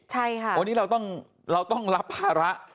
ใช่ค่ะเพราะนี่เราต้องเราต้องรับภาระ